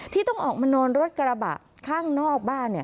ที่ต้องออกมานอนรถกระบะข้างนอกบ้าน